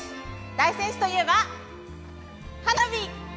大仙市といえば花火。